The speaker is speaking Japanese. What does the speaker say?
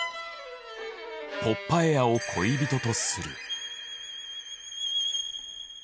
ポッパエアを恋人とする。